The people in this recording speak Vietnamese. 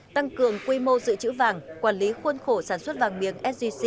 tăng cường quy mô dự trữ vàng quản lý khuôn khổ sản xuất vàng miếng sgc